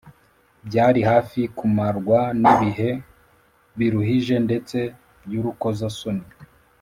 byari hafi kumarwa n’ibihe biruhije ndetse by’urukozasoni